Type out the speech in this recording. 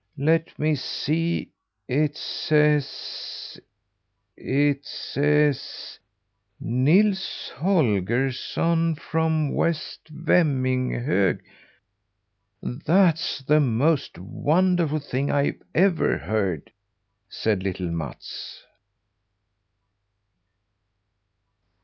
"Let me see! It says it says: 'Nils Holgersson from W. Vemminghög.' That's the most wonderful thing I've ever heard!" said little Mats.